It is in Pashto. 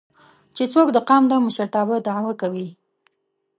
چې څوک د قام د مشرتابه دعوه کوي